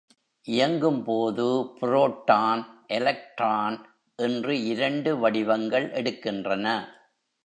இயங்கும் போது proton, electron என்று இரண்டு வடிவங்கள் எடுக்கின்றன.